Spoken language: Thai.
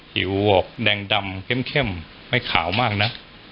ผิวออกแดงดำเข้มไม่ขาวมากนะ